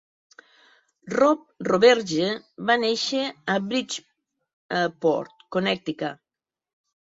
Rob Roberge va néixer a Bridgeport, Connecticut.